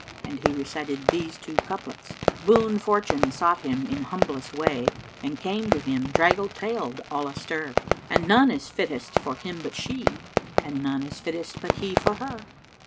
And he recited these two couplets, "Boon Fortune sought him in humblest way[FN#472] * And came to him draggle tailed, all a stir: And none is fittest for him but she * And none is fittest but he for her."